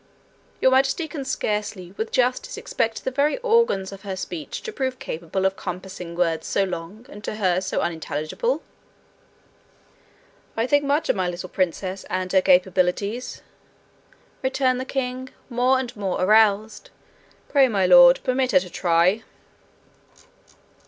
Your Majesty can scarcely with justice expect the very organs of her speech to prove capable of compassing words so long, and to her so unintelligible.' 'I think much of my little princess and her capabilities,' returned the king, more and more aroused. 'Pray, my lord, permit her to try.'